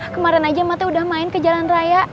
kemaren aja mate udah main ke jalan raya